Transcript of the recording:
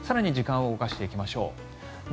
更に時間を動かしていきましょう。